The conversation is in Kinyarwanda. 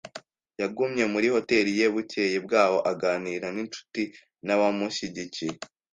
Yagumye muri hoteri ye bukeye bwaho, aganira n'inshuti n'abamushyigikiye.